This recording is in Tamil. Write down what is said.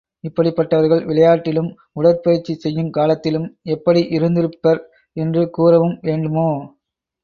இப்படிப்பட்டவர்கள் விளையாட்டிலும் உடற்பயிற்சி செய்யுங் காலத்திலும் எப்படி இருந்திருப்பர் என்று கூறவும் வேண்டுமோ?